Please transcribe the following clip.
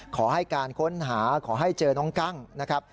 ขอให้การค้นหาขอให้เจอน้องกั้งนะครับ